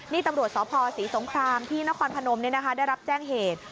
นี่ตำรวจสพศรีสงครามที่นครพนมได้รับแจ้งเหตุ